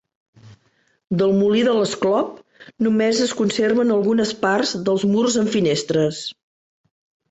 Del molí de l'Esclop només es conserven algunes parts dels murs amb finestres.